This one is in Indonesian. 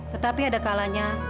tetapi ada kalanya